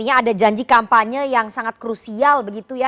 artinya ada janji kampanye yang sangat krusial begitu ya